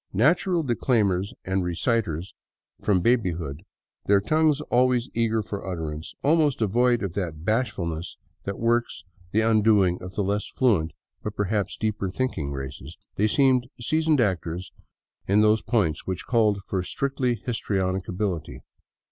Natural declaimers and reciters from baby hood, their tongues always eager for utterance, almost devoid of that bashfulness that works the undoing of the less fluent but perhaps deeper thinking races, they seemed seasoned actors in those points which called for strictly histrionic ability.